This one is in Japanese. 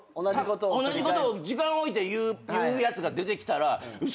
同じことを時間を置いて言うやつが出てきたら。